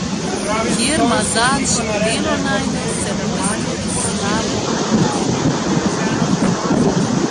Kjer mazač delo najde, se mojstru slabo godi.